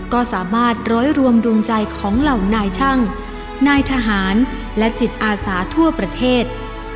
ก็สามารถร้อยรวมดวงใจของเหล่านายช่างนายทหารและจิตอาสาทั่วประเทศ